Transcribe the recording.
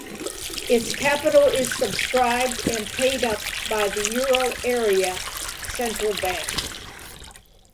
Its capital is subscribed and paid up by the euro area central banks.